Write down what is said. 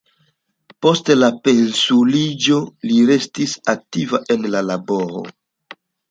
Post la pensiuliĝo li restis aktiva en la laboro.